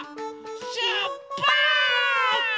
しゅっぱつ！